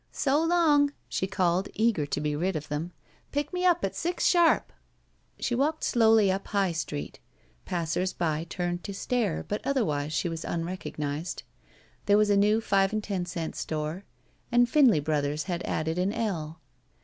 So long!" she called, eager to be rid of them. Pick me up at six sharp." She walked slowly up High Street. Passers by turned to stare, but otherwise she was unrecognized. There was a new five and ten cent store, and Finley Brothers had added an ell.